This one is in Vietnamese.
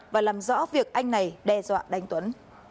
và làm rõ việc anh này đe dọa đánh tuấn